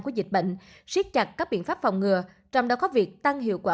của dịch bệnh siết chặt các biện pháp phòng ngừa trong đó có việc tăng hiệu quả